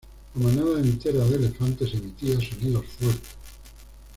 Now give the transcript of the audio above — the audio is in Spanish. La manada entera de elefantes emitía sonidos fuertes.